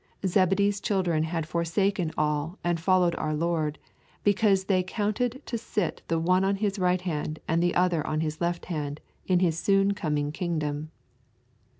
Zebedee's children had forsaken all and followed our Lord, because they counted to sit the one on His right hand and the other on His left hand in His soon coming kingdom.